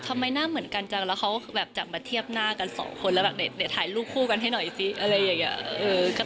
ทำไมหน้าเหมือนกันจังแล้วเขาแบบจับมาเทียบหน้ากันสองคนแล้วแบบเดี๋ยวถ่ายรูปคู่กันให้หน่อยสิอะไรอย่างนี้